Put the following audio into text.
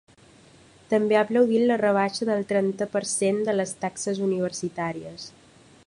També ha aplaudit la rebaixa del trenta per cent de les taxes universitàries.